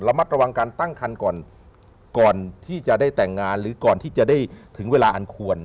มัดระวังการตั้งคันก่อนก่อนที่จะได้แต่งงานหรือก่อนที่จะได้ถึงเวลาอันควร